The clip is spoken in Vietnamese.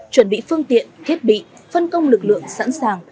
chuẩn bị phương tiện thiết bị phân công lực lượng sẵn sàng